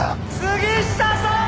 杉下さーん！